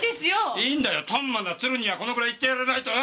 いいんだよトンマな鶴にはこのぐらい言ってやらないとよ！